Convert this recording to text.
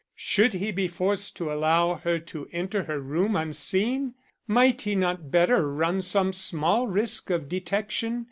Should he be forced to allow her to enter her room unseen? Might he not better run some small risk of detection?